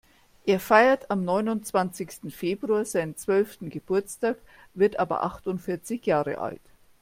Er feiert am neunundzwanzigsten Februar seinen zwölften Geburtstag, wird aber achtundvierzig Jahre alt.